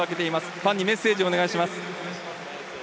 ファンにメッセージをお願いします。